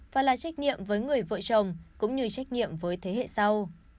và là trách nhiệm với người vợ chồng cũng như trách nhiệm với thế hệ sau